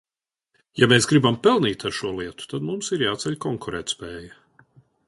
Ja mēs gribam pelnīt ar šo lietu, tad mums ir jāceļ konkurētspēja.